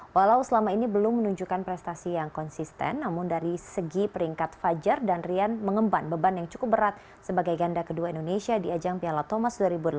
walau selama ini belum menunjukkan prestasi yang konsisten namun dari segi peringkat fajar dan rian mengemban beban yang cukup berat sebagai ganda kedua indonesia di ajang piala thomas dua ribu delapan belas